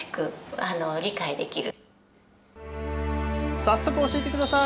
早速、教えてください。